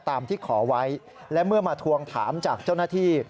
ตามที่ขอไว้และเมื่อมาทวงถามจากเจ้าหน้าที่